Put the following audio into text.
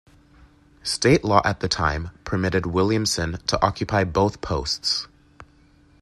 State law at the time permitted Williamson to occupy both posts.